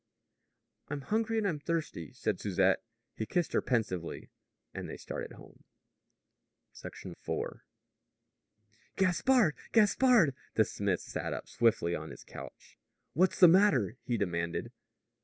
"I'm hungry and I'm thirsty," said Susette. He kissed her pensively. They started home. IV. "Gaspard! Gaspard!" The smith sat up swiftly on his couch. "What's the matter?" he demanded.